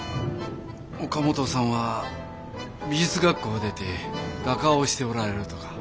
岡本さんは美術学校を出て画家をしておられるとか。